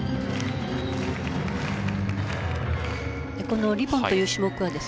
このリボンという種目はですね